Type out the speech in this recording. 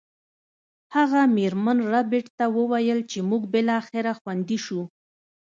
هغه میرمن ربیټ ته وویل چې موږ بالاخره خوندي شو